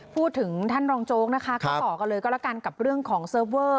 พูดถึงท่านรองโจ๊กนะคะก็ต่อกันเลยก็แล้วกันกับเรื่องของเซิร์ฟเวอร์